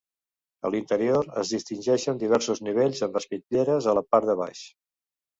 A l'interior es distingeixen diversos nivells amb espitlleres a la part de baix.